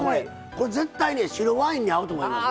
これ絶対ね白ワインに合うと思います。